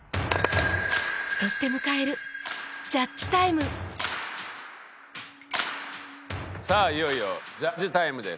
そして迎えるジャッジタイムさあいよいよジャッジタイムです。